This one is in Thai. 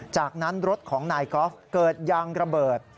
จากนั้นรถของนายกอล์ฟเกิดยางระเบิด